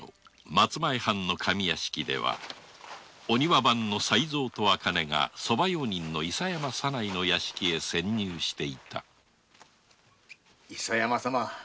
松前藩の上屋敷ではお庭番の才三と茜が側用人の伊佐山左内の屋敷へ潜入していた伊佐山様